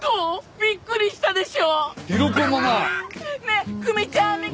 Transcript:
びっくりしたでしょ？」